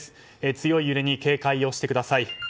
強い揺れに警戒をしてください。